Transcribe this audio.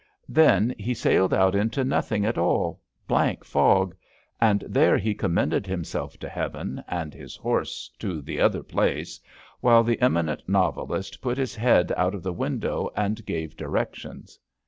Then he sailed out into nothing at all — ^blank fog — and there he commended him self to heaven and his horse to the other place, while the eminent novelist put his head out of the window and gave directions.